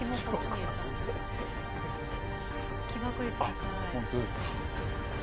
あっ、本当ですか。